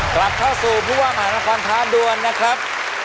กลับเข้าสู่ผู้ว่ามหานครท้าดวนนะครับ